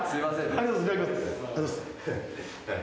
ありがとうございます。